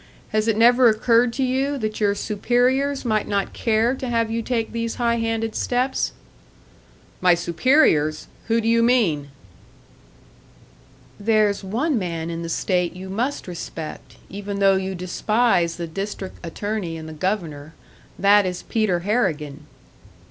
Has it never occurred to you that your superiors might not care to have you take these high handed steps?" "My superiors? Who do you mean?" "There's one man in the state you must respect even though you despise the District Attorney and the Governor. That is Peter Harrigan."